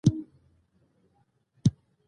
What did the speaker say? لنډه دا چې هره ورځ یو نفر زخمي کیږي.